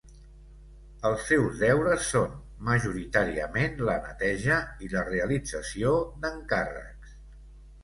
Els seus deures són majoritàriament la neteja i la realització d'encàrrecs.